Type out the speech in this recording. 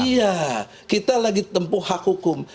iya kita lagi tempuh hak hukum